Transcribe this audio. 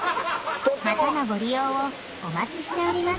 またのご利用をお待ちしております。